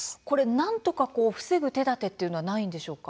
なんとか防ぐ手だてはないでしょうか。